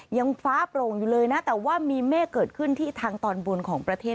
ยังฟ้าโปร่งอยู่เลยนะแต่ว่ามีเมฆเกิดขึ้นที่ทางตอนบนของประเทศ